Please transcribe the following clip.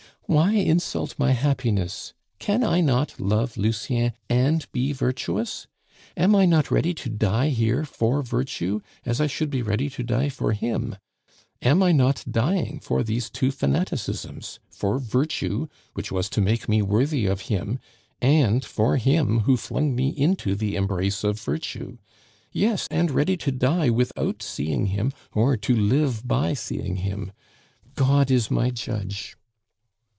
"Why insult my happiness? Can I not love Lucien and be virtuous? Am I not ready to die here for virtue, as I should be ready to die for him? Am I not dying for these two fanaticisms for virtue, which was to make me worthy of him, and for him who flung me into the embrace of virtue? Yes, and ready to die without seeing him or to live by seeing him. God is my Judge."